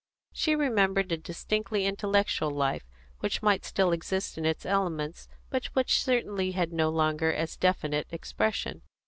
She remembered a distinctly intellectual life, which might still exist in its elements, but which certainly no longer had as definite expression.